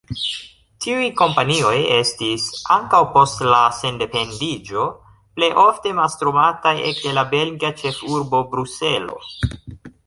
Tiuj kompanioj estis, ankaŭ post la sendependiĝo, plejofte mastrumataj ekde la belga ĉefurbo Bruselo.